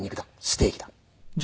ステーキだ」。